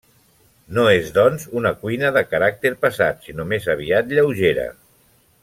No és, doncs, una cuina de caràcter pesat, sinó més aviat lleugera.